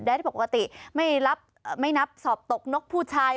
และที่ปกติไม่รับไม่นับสอบตกนกผู้ชาย